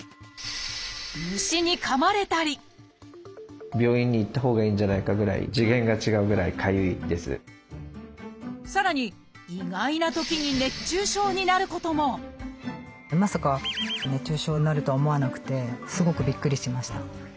虫にかまれたり病院に行ったほうがいいんじゃないかぐらいさらに意外なときに熱中症になることもすごくびっくりしました。